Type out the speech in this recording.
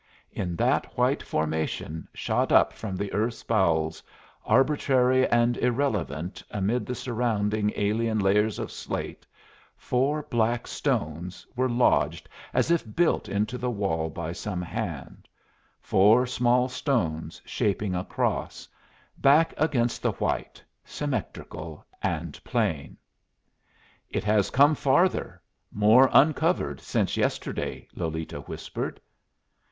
In that white formation shot up from the earth's bowels, arbitrary and irrelevant amid the surrounding alien layers of slate, four black stones were lodged as if built into the wall by some hand four small stones shaping a cross, back against the white, symmetrical and plain. "It has come farther more uncovered since yesterday," Lolita whispered.